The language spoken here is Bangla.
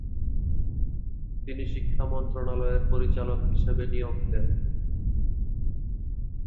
তিনি শিক্ষা মন্ত্রণালয়ের পরিচালক হিসেবে নিয়োগ দেন।